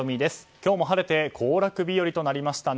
今日も晴れて行楽日和となりましたね。